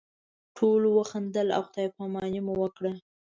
ټولو وخندل او خدای پاماني مو وکړه.